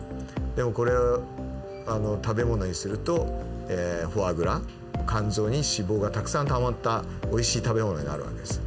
でもこれを食べ物にするとフォアグラ肝臓に脂肪がたくさんたまったおいしい食べ物になる訳です。